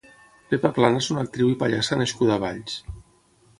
Pepa Plana és una actriu i pallassa nascuda a Valls.